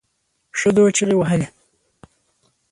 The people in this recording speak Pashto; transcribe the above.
ښځو چیغې وهلې.